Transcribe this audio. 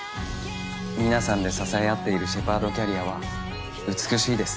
皆さんで支え合っているシェパードキャリアは美しいです。